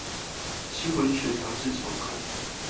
新文學雜誌叢刊